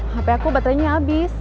hp aku baterainya abis